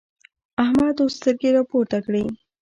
احمد اوس سترګې راپورته کړې.